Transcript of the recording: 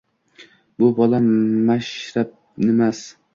Bu bola Mashrabnimas